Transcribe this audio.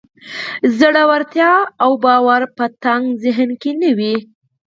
زړورتيا او باور په تنګ ذهن کې نه وي.